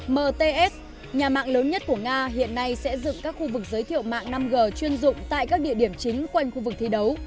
mts nhà mạng lớn nhất của nga hiện nay sẽ dựng các khu vực giới thiệu mạng năm g chuyên dụng tại các địa điểm chính quanh khu vực thi đấu